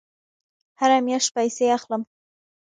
هره میاشت پیسې اخلم